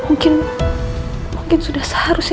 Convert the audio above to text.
bagaimana mereka bisa mem sea